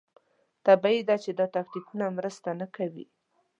طبیعي ده چې دا تکتیکونه مرسته نه کوي.